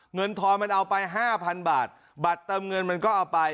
เงินทรมันเอาไป๕๐๐๐บาทบัตรเติมเงินมันก็เอาไป